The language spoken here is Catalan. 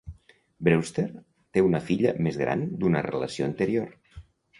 Brewster té una filla més gran d'una relació anterior.